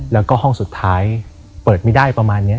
แล้วก็ห้องสุดท้ายเปิดไม่ได้ประมาณนี้